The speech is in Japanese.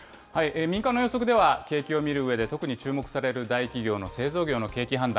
民間の予測では、景気を見るうえで特に注目される大企業の製造業の景気判断